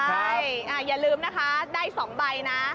ใช่อย่าลืมนะคะได้๒ใบนะ